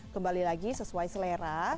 kembali lagi sesuai selera